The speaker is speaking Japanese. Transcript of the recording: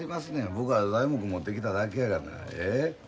僕は材木持ってきただけやがな。